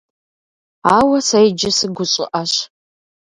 Ауэ сэ иджы сыгущӀыӀэщ.